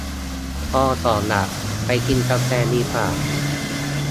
พอก่อนละ ไปกินกาแฟดีกว่า